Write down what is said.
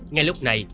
ngay lúc này